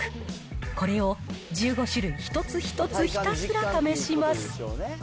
これを１５種類、一つ一つひたすら試します。